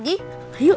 bisa pak kemet